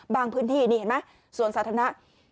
บางพื้นที่นี้เห็นมั้ยสวนสาธารณะ